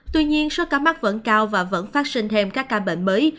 tuy nhiên số ca mắc vẫn cao và vẫn phát sinh thêm các ca bệnh mới